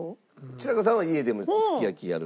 ちさ子さんは家でもすき焼きやる。